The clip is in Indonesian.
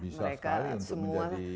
bisa sekali untuk menjadi